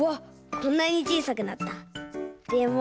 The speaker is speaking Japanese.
こんなにちいさくなった。